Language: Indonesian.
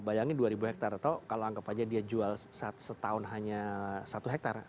bayangin dua ribu hektare atau kalau anggap saja dia jual setahun hanya satu hektare